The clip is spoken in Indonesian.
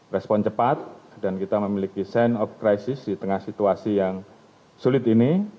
respon cepat dan kita memiliki sense of crisis di tengah situasi yang sulit ini